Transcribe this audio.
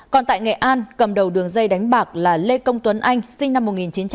còn tại nghệ an cầm đầu đường dây đánh bạc là lê công tuấn anh sinh năm một nghìn chín trăm tám mươi